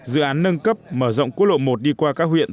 dự án nâng cấp mở rộng quốc lộ một đi qua các huyện